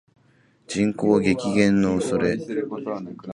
人口激減の恐れ